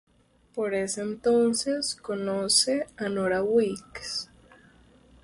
Por ese entonces conoce a Nora Weeks.